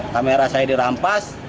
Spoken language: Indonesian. kamera saya dirampas